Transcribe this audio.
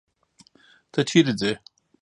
ته چيري ځې؟